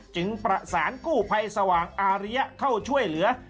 จึงประสานกู้ภัยสว่างอาริยะเข้าช่วยเหลือ